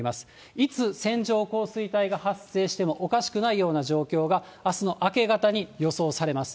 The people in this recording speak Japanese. いつ線状降水帯が発生してもおかしくないような状況があすの明け方に予想されます。